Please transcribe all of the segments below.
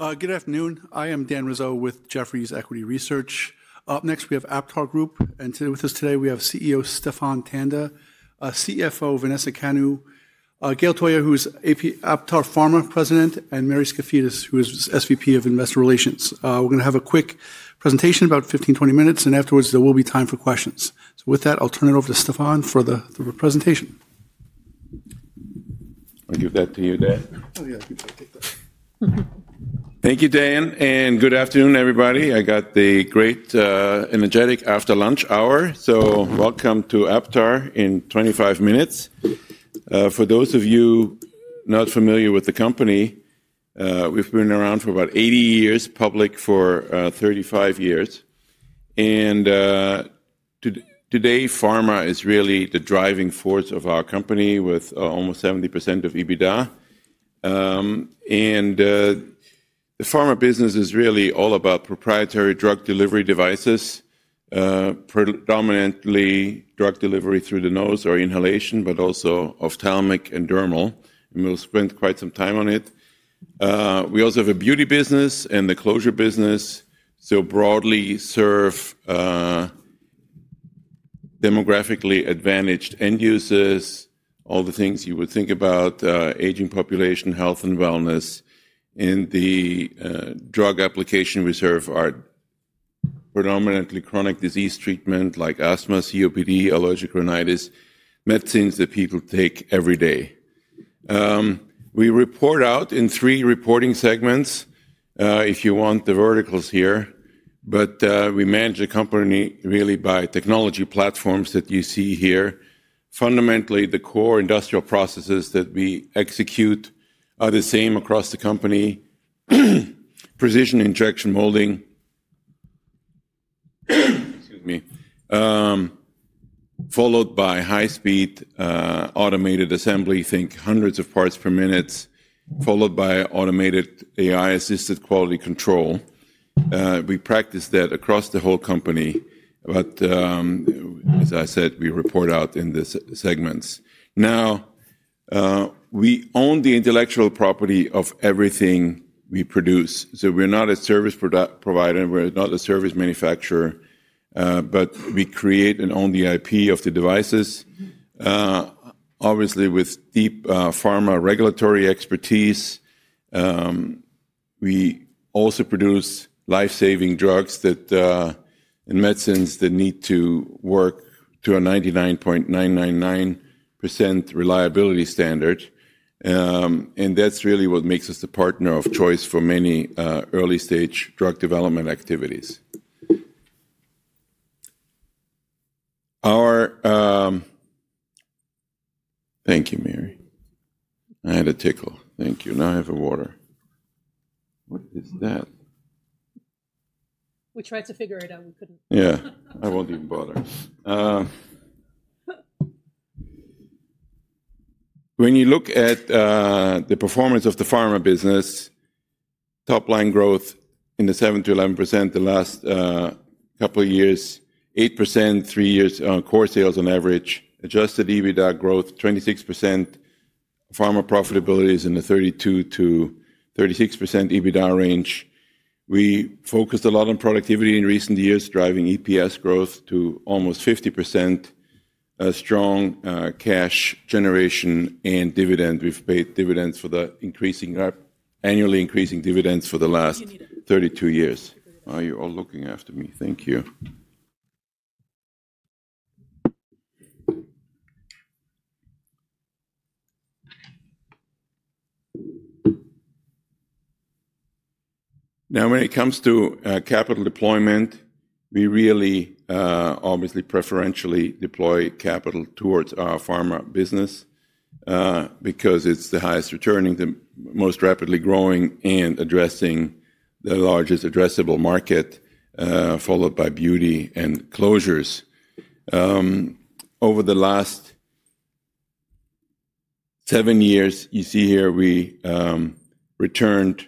Good afternoon. I am Dan Rizzolo with Jefferies Equity Research. Up next, we have AptarGroup. With us today, we have CEO Stephan Tanda, CFO Vanessa Kanu, Gael Touya, who's Aptar Pharma President, and Mary Skafidas, who is SVP of Investor Relations. We're going to have a quick presentation in about 15-20 minutes, and afterwards, there will be time for questions. With that, I'll turn it over to Stephan for the presentation. I'll give that to you, Dan. Thank you, Dan. Good afternoon, everybody. I got the great, energetic after-lunch hour. Welcome to Aptar in 25 minutes. For those of you not familiar with the company, we've been around for about 80 years, public for 35 years. Today, pharma is really the driving force of our company with almost 70% of EBITDA. The pharma business is really all about proprietary drug delivery devices, predominantly drug delivery through the nose or inhalation, but also ophthalmic and dermal. We'll spend quite some time on it. We also have a beauty business and the closure business, so broadly serve demographically advantaged end users, all the things you would think about, aging population, health, and wellness. In the drug application, we serve predominantly chronic disease treatment like asthma, COPD, allergic rhinitis, medicines that people take every day. We report out in three reporting segments, if you want the verticals here. We manage the company really by technology platforms that you see here. Fundamentally, the core industrial processes that we execute are the same across the company: precision injection molding, followed by high-speed automated assembly, think hundreds of parts per minute, followed by automated AI-assisted quality control. We practice that across the whole company. As I said, we report out in these segments. We own the intellectual property of everything we produce. We are not a service provider. We are not a service manufacturer. We create and own the IP of the devices, obviously with deep pharma regulatory expertise. We also produce lifesaving drugs and medicines that need to work to a 99.999% reliability standard. That is really what makes us the partner of choice for many early-stage drug development activities. Our—thank you, Mary. I had a tickle. Thank you. Now I have water. What is that? We tried to figure it out. We couldn't. Yeah. I won't even bother. When you look at the performance of the pharma business, top-line growth in the 7%-11% the last couple of years, 8% three years core sales on average, adjusted EBITDA growth 26%, pharma profitability is in the 32%-36% EBITDA range. We focused a lot on productivity in recent years, driving EPS growth to almost 50%, strong cash generation and dividend. We've paid dividends for the annually increasing dividends for the last 32 years. You're all looking after me. Thank you. Now, when it comes to capital deployment, we really obviously preferentially deploy capital towards our pharma business because it's the highest returning, the most rapidly growing, and addressing the largest addressable market, followed by beauty and closures. Over the last seven years, you see here, we returned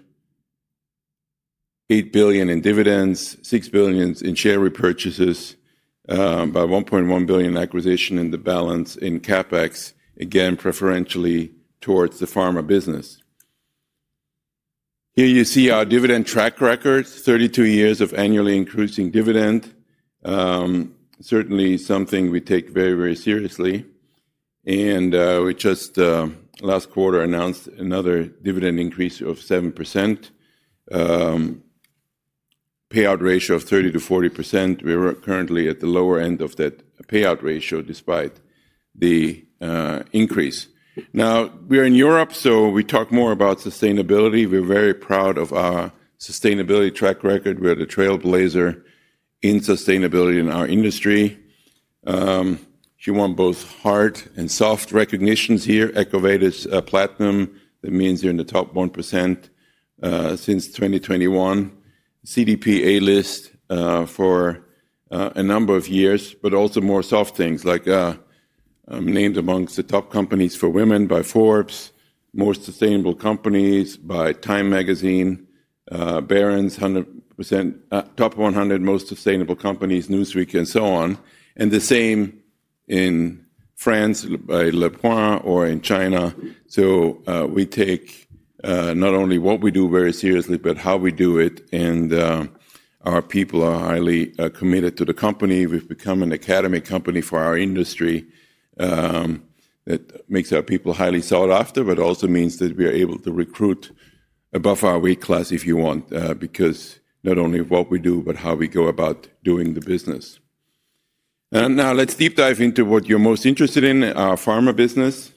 $8 billion in dividends, $6 billion in share repurchases, about $1.1 billion acquisition and the balance in CapEx, again, preferentially towards the pharma business. Here you see our dividend track record, 32 years of annually increasing dividend, certainly something we take very, very seriously. We just last quarter announced another dividend increase of 7%, payout ratio of 30%-40%. We are currently at the lower end of that payout ratio despite the increase. Now, we are in Europe, so we talk more about sustainability. We are very proud of our sustainability track record. We are the trailblazer in sustainability in our industry. You want both hard and soft recognitions here. Echovate is platinum. That means you're in the top 1% since 2021, CDP A-list for a number of years, but also more soft things like named amongst the top companies for women by Forbes, most sustainable companies by Time Magazine, Barron's 100% top 100 most sustainable companies, Newsweek, and so on. The same in France by Le Point or in China. We take not only what we do very seriously, but how we do it. Our people are highly committed to the company. We've become an academic company for our industry that makes our people highly sought after, but also means that we are able to recruit above our weight class, if you want, because not only of what we do, but how we go about doing the business. Now, let's deep dive into what you're most interested in, our pharma business.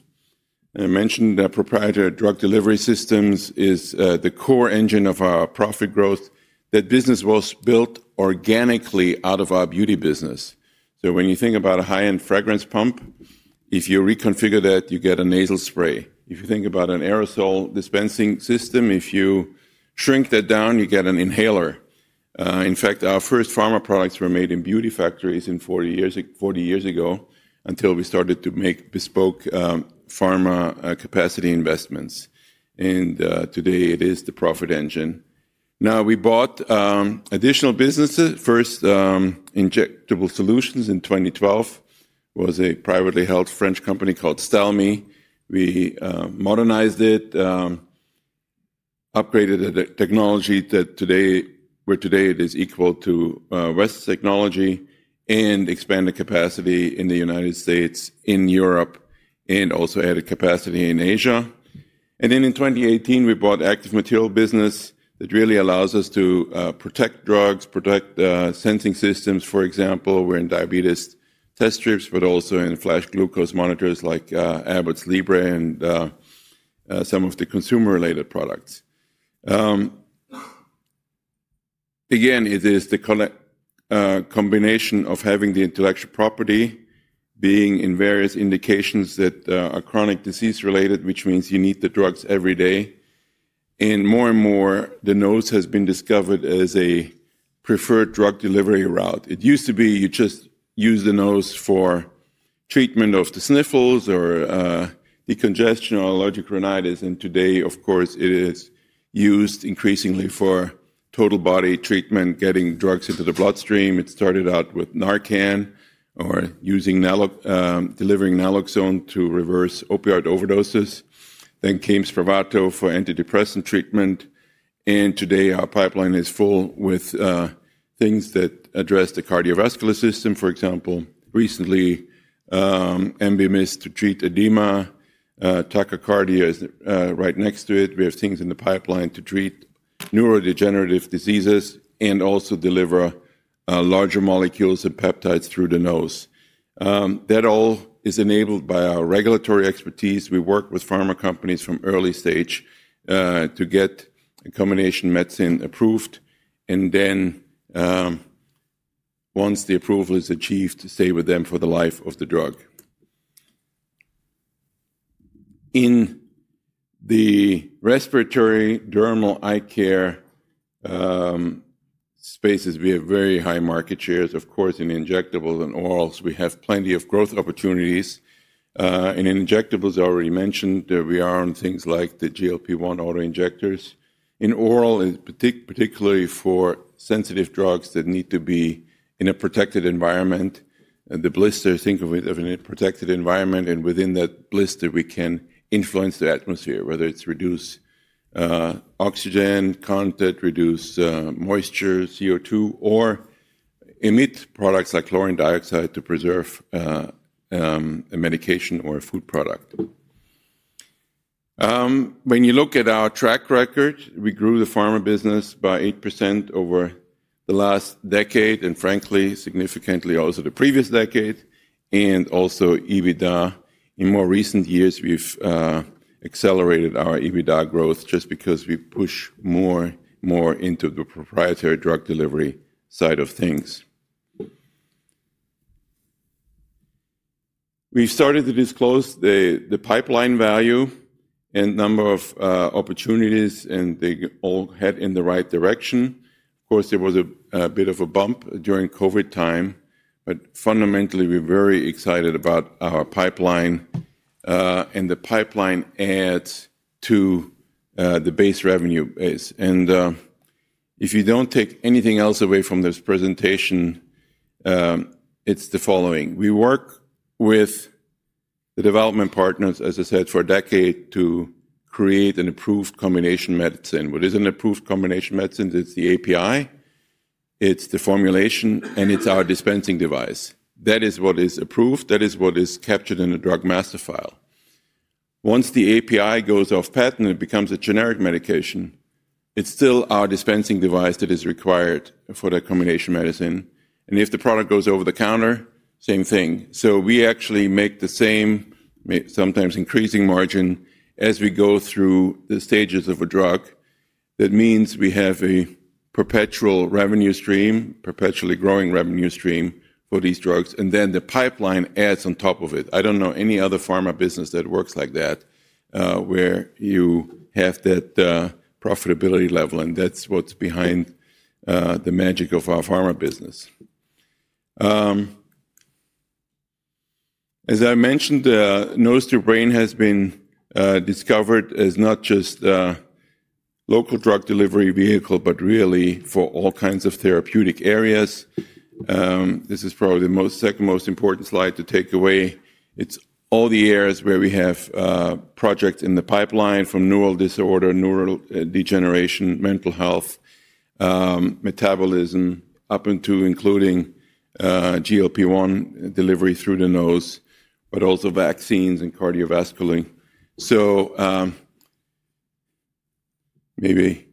I mentioned that proprietary drug delivery systems is the core engine of our profit growth. That business was built organically out of our beauty business. When you think about a high-end fragrance pump, if you reconfigure that, you get a nasal spray. If you think about an aerosol dispensing system, if you shrink that down, you get an inhaler. In fact, our first pharma products were made in beauty factories 40 years ago until we started to make bespoke pharma capacity investments. Today, it is the profit engine. We bought additional businesses. First, Injectable Solutions in 2012 was a privately held French company called Stelmi. We modernized it, upgraded the technology that today, where today it is equal to West's technology, and expanded capacity in the United States, in Europe, and also added capacity in Asia. In 2018, we bought Active Material business that really allows us to protect drugs, protect sensing systems. For example, we're in diabetes test strips, but also in flash glucose monitors like Abbott's Libre and some of the consumer-related products. Again, it is the combination of having the intellectual property, being in various indications that are chronic disease-related, which means you need the drugs every day. More and more, the nose has been discovered as a preferred drug delivery route. It used to be you just use the nose for treatment of the sniffles or decongestion or allergic rhinitis. Today, of course, it is used increasingly for total body treatment, getting drugs into the bloodstream. It started out with Narcan or delivering naloxone to reverse opioid overdoses. Spravato came for antidepressant treatment. Today, our pipeline is full with things that address the cardiovascular system. For example, recently, Ambimist to treat edema, tachycardia is right next to it. We have things in the pipeline to treat neurodegenerative diseases and also deliver larger molecules and peptides through the nose. That all is enabled by our regulatory expertise. We work with pharma companies from early stage to get a combination medicine approved. Once the approval is achieved, stay with them for the life of the drug. In the respiratory, dermal, eye care spaces, we have very high market shares. Of course, in injectables and orals, we have plenty of growth opportunities. In injectables, I already mentioned that we are on things like the GLP-1 autoinjectors. In oral, particularly for sensitive drugs that need to be in a protected environment, the blister, think of it as a protected environment. Within that blister, we can influence the atmosphere, whether it's reduce oxygen content, reduce moisture, CO2, or emit products like chlorine dioxide to preserve a medication or a food product. When you look at our track record, we grew the pharma business by 8% over the last decade and, frankly, significantly also the previous decade and also EBITDA. In more recent years, we've accelerated our EBITDA growth just because we push more and more into the proprietary drug delivery side of things. We've started to disclose the pipeline value and number of opportunities, and they all head in the right direction. There was a bit of a bump during COVID time. Fundamentally, we're very excited about our pipeline. The pipeline adds to the base revenue base. If you don't take anything else away from this presentation, it's the following. We work with the development partners, as I said, for a decade to create an approved combination medicine. What is an approved combination medicine? It's the API. It's the formulation. And it's our dispensing device. That is what is approved. That is what is captured in the drug master file. Once the API goes off patent, it becomes a generic medication. It's still our dispensing device that is required for that combination medicine. If the product goes over the counter, same thing. We actually make the same, sometimes increasing margin as we go through the stages of a drug. That means we have a perpetual revenue stream, perpetually growing revenue stream for these drugs. The pipeline adds on top of it. I don't know any other pharma business that works like that where you have that profitability level. That's what's behind the magic of our pharma business. As I mentioned, Nose2Brain has been discovered as not just a local drug delivery vehicle, but really for all kinds of therapeutic areas. This is probably the second most important slide to take away. It's all the areas where we have projects in the pipeline from neural disorder, neural degeneration, mental health, metabolism, up until including GLP-1 delivery through the nose, but also vaccines and cardiovascular. Maybe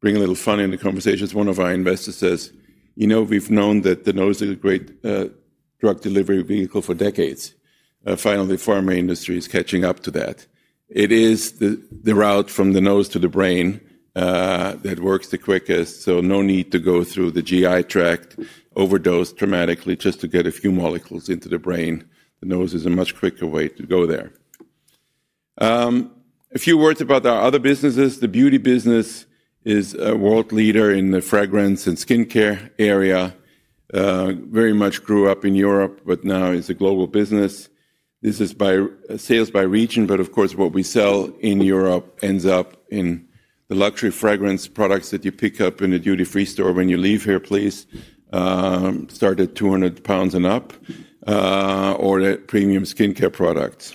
bring a little fun in the conversation. One of our investors says, "You know, we've known that the nose is a great drug delivery vehicle for decades. Finally, the pharma industry is catching up to that." It is the route from the nose to the brain that works the quickest. No need to go through the GI tract, overdose dramatically just to get a few molecules into the brain. The nose is a much quicker way to go there. A few words about our other businesses. The beauty business is a world leader in the fragrance and skincare area. Very much grew up in Europe, but now is a global business. This is sales by region. Of course, what we sell in Europe ends up in the luxury fragrance products that you pick up in a duty-free store when you leave here, please, start at $200 and up, or premium skincare products.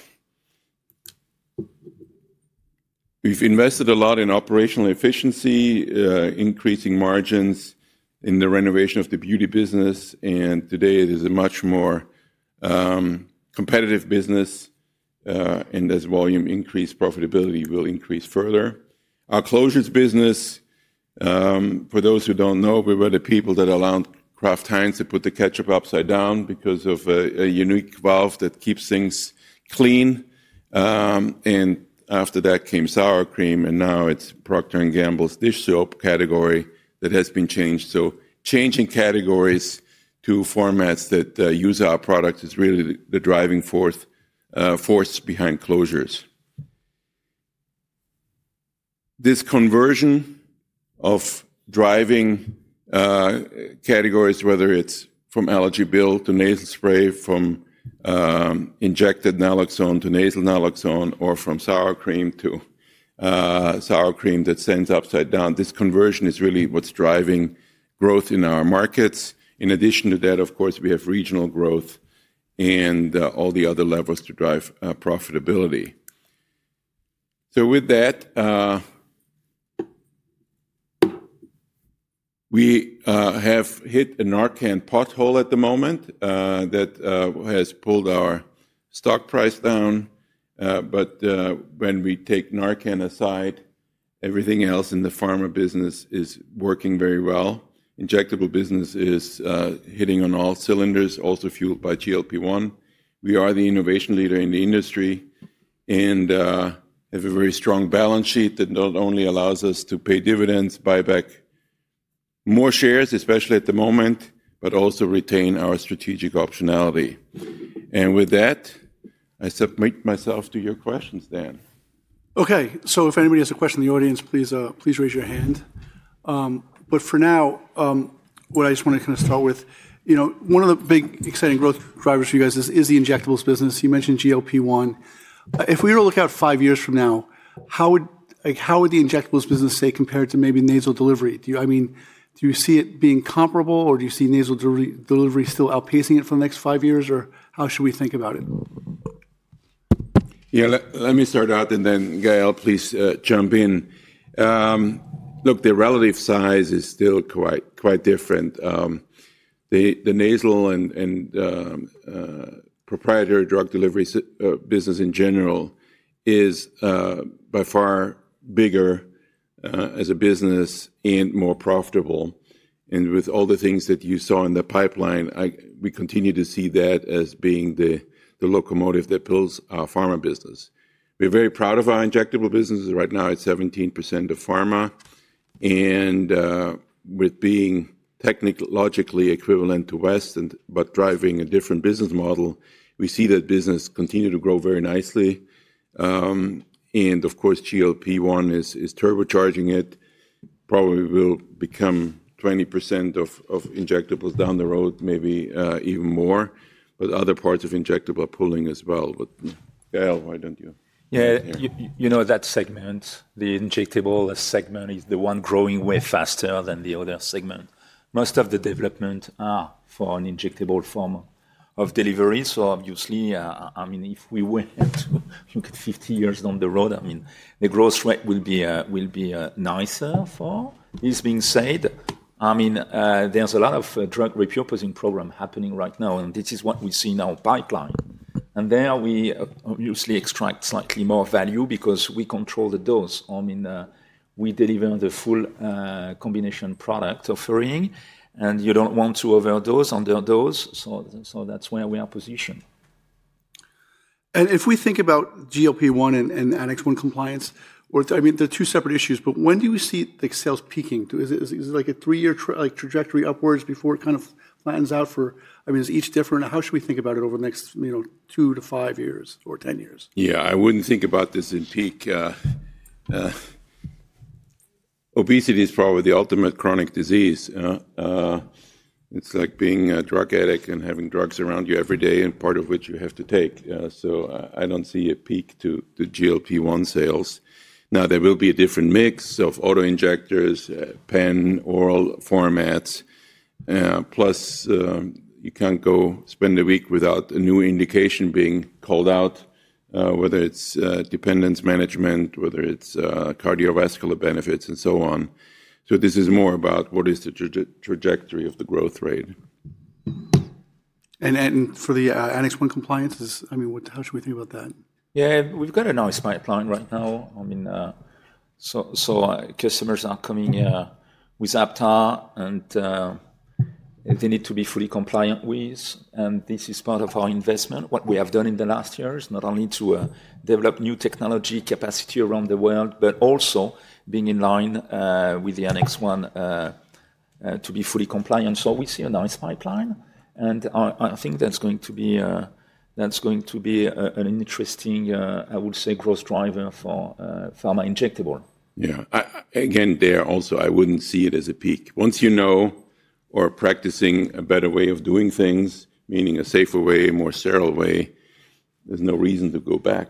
We have invested a lot in operational efficiency, increasing margins in the renovation of the beauty business. Today, it is a much more competitive business. As volume increases, profitability will increase further. Our closures business, for those who do not know, we were the people that allowed Kraft Heinz to put the ketchup upside down because of a unique valve that keeps things clean. After that came sour cream. Now it is Procter & Gamble's dish soap category that has been changed. Changing categories to formats that use our product is really the driving force behind closures. This conversion of driving categories, whether it is from allergy build to nasal spray, from injected naloxone to nasal naloxone, or from sour cream to sour cream that stands upside down, this conversion is really what is driving growth in our markets. In addition to that, of course, we have regional growth and all the other levels to drive profitability. With that, we have hit a Narcan pothole at the moment that has pulled our stock price down. When we take Narcan aside, everything else in the pharma business is working very well. Injectable business is hitting on all cylinders, also fueled by GLP-1. We are the innovation leader in the industry and have a very strong balance sheet that not only allows us to pay dividends, buy back more shares, especially at the moment, but also retain our strategic optionality. With that, I submit myself to your questions, Dan. Okay. If anybody has a question in the audience, please raise your hand. For now, what I just want to kind of start with, one of the big exciting growth drivers for you guys is the injectables business. You mentioned GLP-1. If we were to look out five years from now, how would the injectables business say compared to maybe nasal delivery? I mean, do you see it being comparable, or do you see nasal delivery still outpacing it for the next five years, or how should we think about it? Yeah, let me start out, and then Gael, please jump in. Look, the relative size is still quite different. The nasal and proprietary drug delivery business in general is by far bigger as a business and more profitable. With all the things that you saw in the pipeline, we continue to see that as being the locomotive that pulls our pharma business. We're very proud of our injectable business. Right now, it's 17% of pharma. With being technologically equivalent to West but driving a different business model, we see that business continue to grow very nicely. Of course, GLP-1 is turbocharging it. Probably will become 20% of injectables down the road, maybe even more, but other parts of injectable are pulling as well. Gael, why don't you? Yeah, you know that segment, the injectable segment is the one growing way faster than the other segment. Most of the development are for an injectable form of delivery. Obviously, I mean, if we were to look at 50 years down the road, the growth rate will be nicer for. This being said, there's a lot of drug repurposing program happening right now. This is what we see in our pipeline. There we obviously extract slightly more value because we control the dose. I mean, we deliver the full combination product offering. You do not want to overdose, underdose. That is where we are positioned. If we think about GLP-1 and Annex 1 compliance, they are two separate issues. When do you see the sales peaking? Is it like a three-year trajectory upwards before it kind of flattens out for, I mean, is each different? How should we think about it over the next two to five years or ten years? Yeah, I wouldn't think about this in peak. Obesity is probably the ultimate chronic disease. It's like being a drug addict and having drugs around you every day, and part of which you have to take. I don't see a peak to GLP-1 sales. There will be a different mix of autoinjectors, pen, oral formats. Plus, you can't go spend a week without a new indication being called out, whether it's dependence management, whether it's cardiovascular benefits, and so on. This is more about what is the trajectory of the growth rate. For the Annex 1 compliance, I mean, how should we think about that? Yeah, we've got a nice pipeline right now. Customers are coming with Aptar, and they need to be fully compliant with. This is part of our investment, what we have done in the last years, not only to develop new technology capacity around the world, but also being in line with the Annex 1 to be fully compliant. We see a nice pipeline. I think that's going to be an interesting, I would say, growth driver for pharma injectable. Yeah. Again, there also, I wouldn't see it as a peak. Once you know or are practicing a better way of doing things, meaning a safer way, a more sterile way, there's no reason to go back.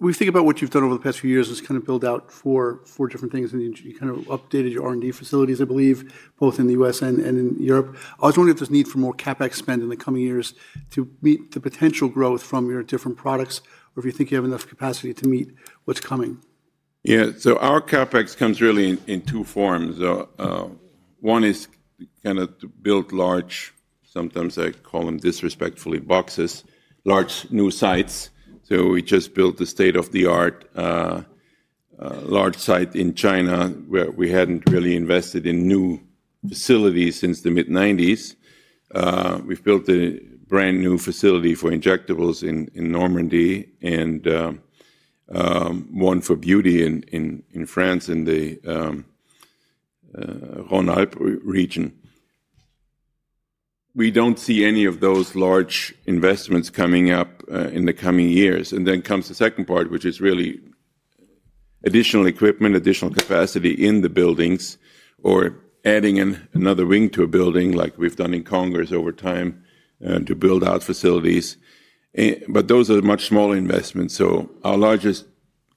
We think about what you've done over the past few years is kind of build out four different things. You kind of updated your R&D facilities, I believe, both in the U.S. and in Europe. I was wondering if there's need for more CapEx spend in the coming years to meet the potential growth from your different products, or if you think you have enough capacity to meet what's coming. Yeah. Our CapEx comes really in two forms. One is kind of to build large, sometimes I call them disrespectfully boxes, large new sites. We just built the state-of-the-art large site in China where we hadn't really invested in new facilities since the mid-1990s. We've built a brand new facility for injectables in Normandy and one for beauty in France in the Rhône-Alpes region. We don't see any of those large investments coming up in the coming years. Then comes the second part, which is really additional equipment, additional capacity in the buildings, or adding another wing to a building like we've done in Congress over time to build out facilities. Those are much smaller investments. Our largest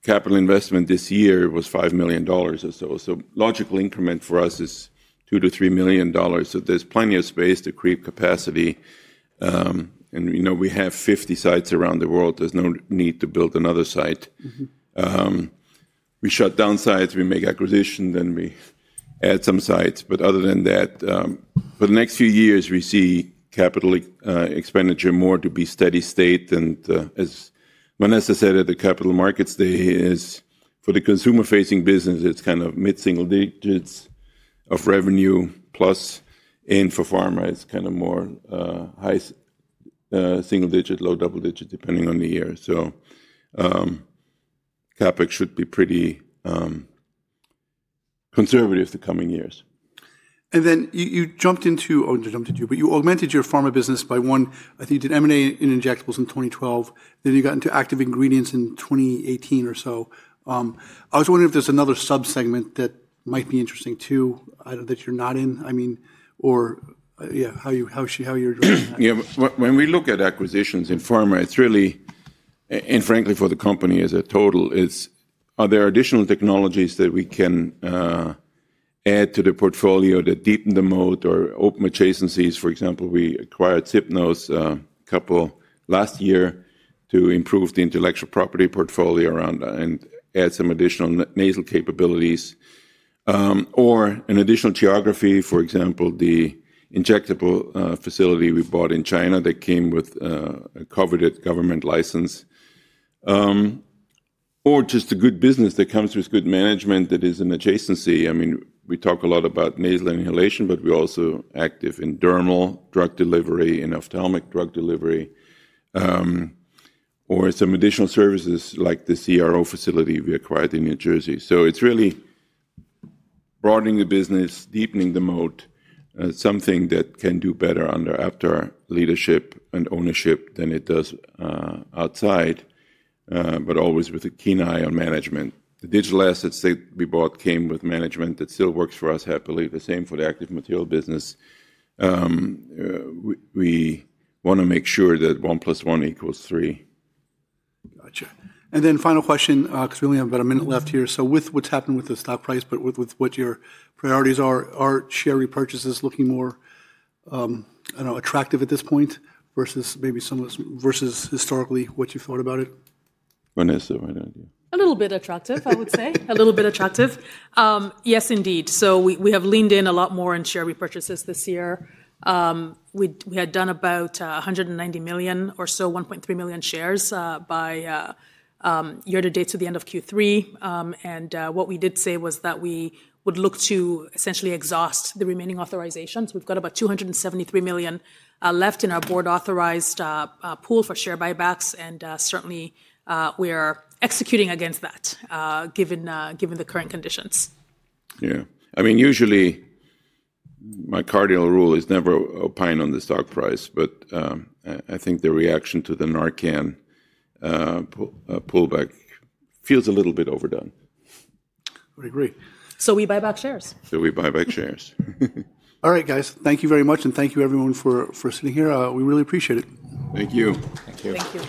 capital investment this year was $5 million or so. Logical increment for us is $2-$3 million. There is plenty of space to create capacity. We have 50 sites around the world. There is no need to build another site. We shut down sites. We make acquisitions. We add some sites. Other than that, for the next few years, we see capital expenditure more to be steady state. As Vanessa said at the Capital Markets Day, for the consumer-facing business, it is kind of mid-single digits of revenue, plus, and for pharma, it is kind of more high single digit, low double digit, depending on the year. CapEx should be pretty conservative the coming years. You jumped into, or jumped into, but you augmented your pharma business by one. I think you did M&A in injectables in 2012. Then you got into active ingredients in 2018 or so. I was wondering if there's another subsegment that might be interesting too that you're not in, I mean, or yeah, how you're doing that. Yeah. When we look at acquisitions in pharma, it's really, and frankly, for the company as a total, are there additional technologies that we can add to the portfolio that deepen the moat or open adjacencies? For example, we acquired SipNose a couple last year to improve the intellectual property portfolio around and add some additional nasal capabilities or an additional geography. For example, the injectable facility we bought in China that came with a coveted government license, or just a good business that comes with good management that is an adjacency. I mean, we talk a lot about nasal inhalation, but we're also active in dermal drug delivery and ophthalmic drug delivery, or some additional services like the CRO facility we acquired in New Jersey. It is really broadening the business, deepening the moat, something that can do better under Aptar leadership and ownership than it does outside, but always with a keen eye on management. The digital assets that we bought came with management that still works for us happily. The same for the active material business. We want to make sure that one plus one equals three. Gotcha. Final question, because we only have about a minute left here. With what's happened with the stock price, but with what your priorities are, are share repurchases looking more attractive at this point versus maybe some of versus historically what you thought about it? Vanessa, why don't you? A little bit attractive, I would say. A little bit attractive. Yes, indeed. We have leaned in a lot more on share repurchases this year. We had done about $190 million or so, 1.3 million shares by year to date to the end of Q3. What we did say was that we would look to essentially exhaust the remaining authorizations. We have got about $273 million left in our board authorized pool for share buybacks. Certainly, we are executing against that given the current conditions. I mean, usually, my cardinal rule is never opine on the stock price, but I think the reaction to the Narcan pullback feels a little bit overdone. I agree. We buy back shares. We buy back shares. All right, guys. Thank you very much. Thank you, everyone, for sitting here. We really appreciate it. Thank you. Thank you. Thank you.